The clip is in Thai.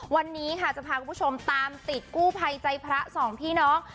วันนี้ค่ะจะพาคุณผู้ชมตามติดกู้ภัยใจพระสองพี่น้อง